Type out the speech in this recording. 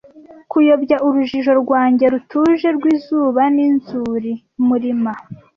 Kuyobya urujijo rwanjye rutuje rw'izuba n'inzuri-murima,